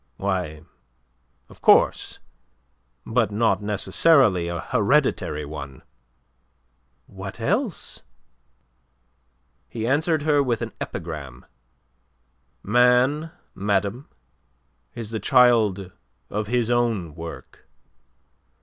"Why, of course. But not necessarily a hereditary one." "What else?" He answered her with an epigram. "Man, madame, is the child of his own work.